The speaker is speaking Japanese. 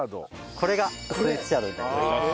これがスイスチャードになります。